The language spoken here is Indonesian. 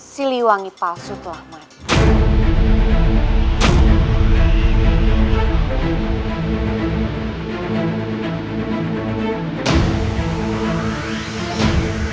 siliwangi palsu telah mati